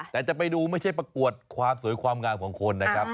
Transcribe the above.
แต่จะไปดูไม่ใช่ประกวดความสวยความงามของคนนะครับ